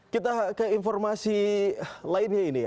kita ke informasi lainnya ini